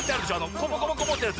コポコポコポってやつ。